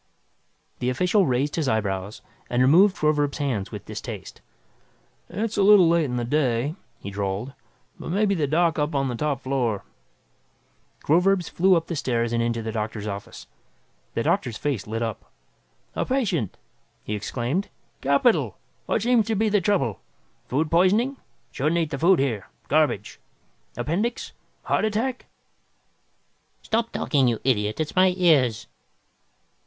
The official raised his eyebrows and removed Groverzb's hands with distaste. "It's a little late in the day," he drawled, "but maybe the doc up on the top floor " Groverzb flew up the stairs and into the doctor's office. The doctor's face lit up. "A patient!" he exclaimed. "Capital! What seems to be the trouble? Food poisoning? Shouldn't eat the food here. Garbage. Appendix? Heart attack?" "Stop talking, you idiot, it's my ears!"